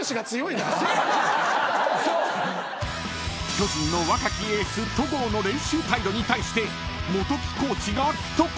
［巨人の若きエース戸郷の練習態度に対して元木コーチが一言］